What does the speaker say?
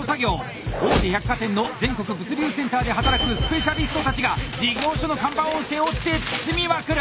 大手百貨店の全国物流センターで働くスペシャリストたちが事業所の看板を背負って包みまくる！